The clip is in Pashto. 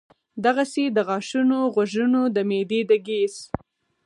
دغسې د غاښونو ، غوږونو ، د معدې د ګېس ،